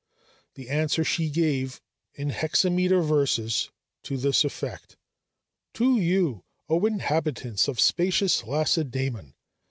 This answer she gave in hexameter verses, to this effect: "To you, O inhabitants of spacious Lacedæmon!